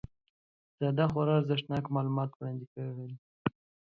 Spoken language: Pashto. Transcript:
ساده خورا ارزښتناک معلومات وړاندي کړل